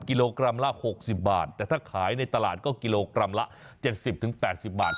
กิโลกรัมละ๖๐บาทแต่ถ้าขายในตลาดก็กิโลกรัมละ๗๐๘๐บาท